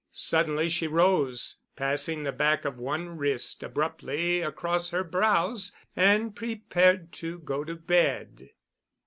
Suddenly she rose, passing the back of one wrist abruptly across her brows, and prepared to go to bed.